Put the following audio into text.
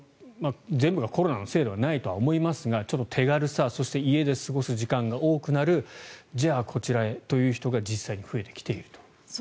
全部がコロナのせいではないと思いますが手軽さ、そして家で過ごす時間が多くなるじゃあこちらへという人が実際に増えてきていると。